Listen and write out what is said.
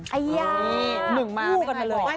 คู่กันเราเลย